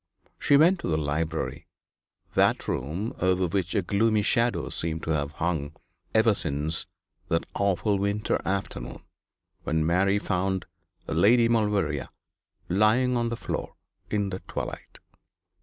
She went to the library that room over which a gloomy shadow seemed to have hung ever since that awful winter afternoon when Mary found Lady Maulevrier lying on the floor in the twilight.